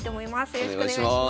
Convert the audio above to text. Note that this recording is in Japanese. よろしくお願いします。